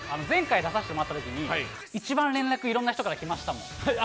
前回出させてもらったときに、一番連絡、いろんな人から来ましたもん。